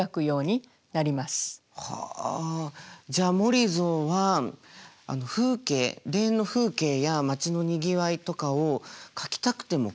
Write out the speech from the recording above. はあじゃあモリゾは田園の風景や街のにぎわいとかを描きたくても描けなかったんですね。